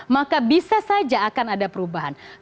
maka bisa saja akan ada perubahan